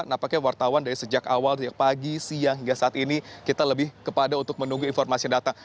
nampaknya wartawan dari sejak awal sejak pagi siang hingga saat ini kita lebih kepada untuk menunggu informasi yang datang